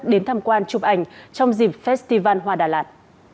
đến tham quan chụp ảnh trong dịp festival hoa đà lạt